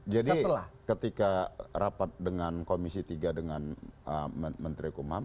jadi ketika rapat dengan komisi tiga dengan menteri kumam